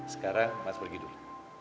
sekarang mas pergi dulu